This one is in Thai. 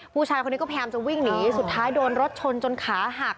ผู้ชายคนนี้ก็พยายามจะวิ่งหนีสุดท้ายโดนรถชนจนขาหัก